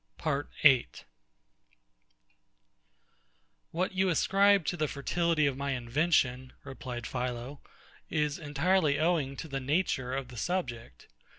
PART 8 What you ascribe to the fertility of my invention, replied PHILO, is entirely owing to the nature of the subject.